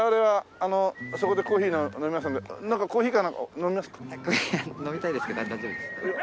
あっコーヒー飲みたいですけど大丈夫です。